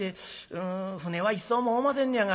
うん舟は一艘もおませんねやが」。